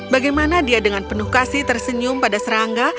bagaimana dia dengan penuh kasih tersenyum pada serangga